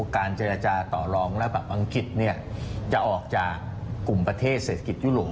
การเจรจาต่อลองแล้วแบบอังกฤษจะออกจากกลุ่มประเทศเศรษฐกิจยุโรป